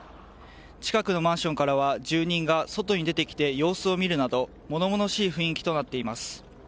近くのマンションからは住人が外に出てきて様子を見るなど物々しい雰囲気となっています。